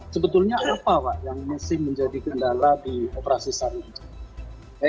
sebetulnya apa pak yang masih menjadi kendala di operasi saat ini